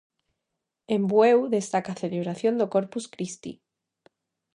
En Bueu destaca a celebración do Corpus Christi.